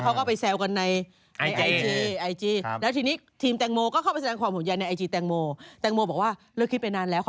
การสวดสุดก็อย่างเหมื่อนจะเป็นครูจิ้นกับแพด